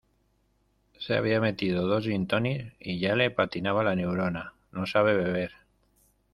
Se había metido dos gintonics y ya le patinaba la neurona; no sabe beber.